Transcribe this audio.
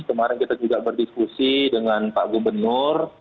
kemarin kita juga berdiskusi dengan pak gubernur